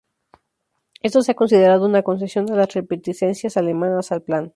Esto se ha considerado una concesión a las reticencias alemanas al plan.